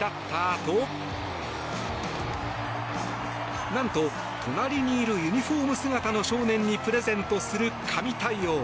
あとなんと、隣にいるユニホーム姿の少年にプレゼントする神対応。